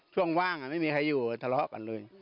ช่วงว่างอ่ะไม่ค่อยอยู่ธรรมกันเลย